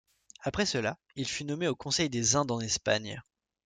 Après cela, il fut nommé au Conseil des Indes en Espagne.